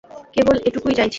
কেবল এটুকুই চাইছি।